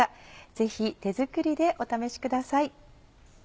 ぜひ手作りでお試しください。